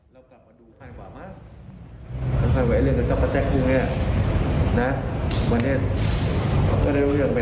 เป็นหมดแล้วตอนที่พยายามไปทุกวันกดกลับดูแล